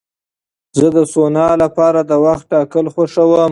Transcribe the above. زه د سونا لپاره د وخت ټاکل خوښوم.